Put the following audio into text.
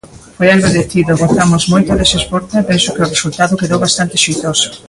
Foi agradecido, gozamos moito dese esforzo e penso que o resultado quedou bastante xeitoso.